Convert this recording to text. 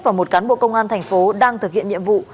và một cán bộ công an thành phố đang thực hiện nhiệm vụ